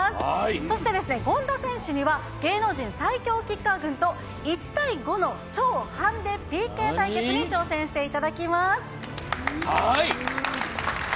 そして権田選手には芸能人最強キッカー軍と１×５の超判ハンデＰＫ対決に挑戦していただきます。